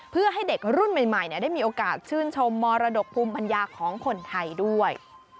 เพื่อให้เด็กรุ่นใหม่ได้มีโอกาสชื่นชมมรดกภูมิปัญญาของคนไทยด้วย